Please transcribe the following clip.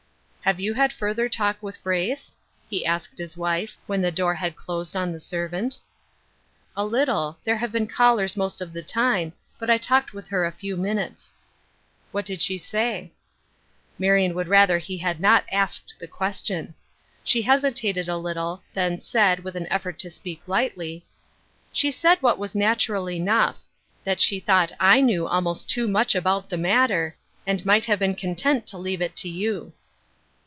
" Have you had further talk with Grace ?" he asked his wife, when the door had closed on the servant. " A little. There have been callers most of the time, but I talked with her a few minutes.'* " What did she say ?" Marion would rather he had not asked the question. She hesitated a little, then said, with an effort to speak lightly :" She said what was natural enough — that she thought /knew almost too much about the Other People's CroB%e9, 169 matter, and might have been content to lexve it to you."